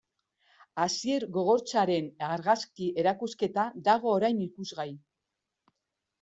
Asier Gogortzaren argazki erakusketa dago orain ikusgai.